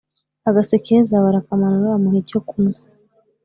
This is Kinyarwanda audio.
Agaseke keza barakamanura bamuha icyo kunwa